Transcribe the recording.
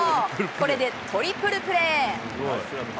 これでトリプルプレー。